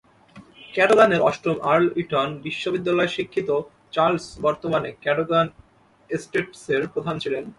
ক্যাডোগানের অষ্টম earl Eton বিশ্ববিদ্যালয়ে শিক্ষিত চার্লস বর্তমানে ক্যাডোগান এস্টেটসের প্রধান ছিলেন।